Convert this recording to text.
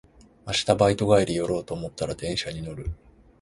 明日バイト帰り寄ろうと思ったら電車に乗る